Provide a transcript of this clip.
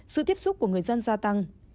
sự tiếp xúc của người dân gia tăng